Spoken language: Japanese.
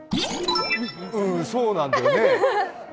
うん、そうなんだよね。